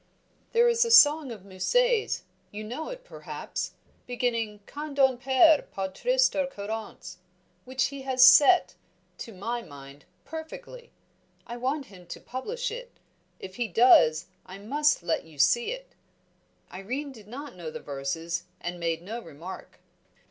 "There is a song of Musset's you know it, perhaps beginning 'Quand on perd, par triste occurrence' which he has set, to my mind, perfectly. I want him to publish it. If he does I must let you see it." Irene did not know the verses and made no remark.